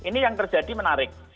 ini yang terjadi menarik